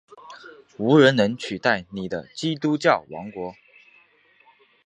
无人能取代您的基督教王国！